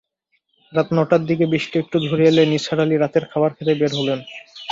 রাত নটার দিকে বৃষ্টি একটু ধরে এলে নিসার আলি রাতের খাবার খেতে বের হলেন।